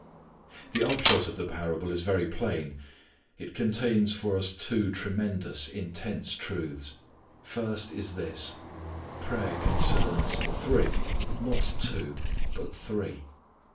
The upshot of the parable is very plain. It contains for us two tremendous, intense truths. First is this: prayer concerns three, not two but three.